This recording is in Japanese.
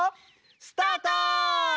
スタート！